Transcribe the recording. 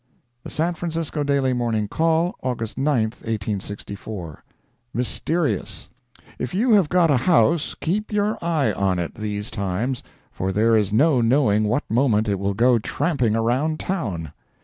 The San Francisco Daily Morning Call, August 9, 1864 MYSTERIOUS If you have got a house, keep your eye on it, these times, for there is no knowing what moment it will go tramping around town.